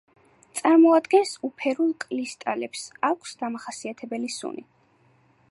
წარმოადგენს უფერულ კრისტალებს, აქვს დამახასიათებელი სუნი.